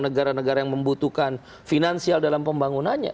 negara negara yang membutuhkan finansial dalam pembangunannya